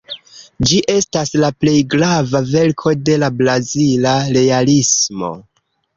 Ĝi estas la plej grava verko de la brazila Realismo.